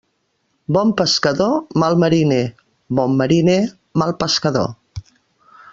Bon pescador, mal mariner; bon mariner, mal pescador.